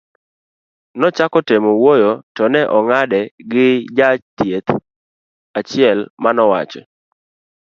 nochako temo wuoyo to ne ong'ade gi jachieth achiel manowacho